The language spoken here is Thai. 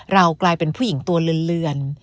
กลายเป็นผู้หญิงตัวเลือน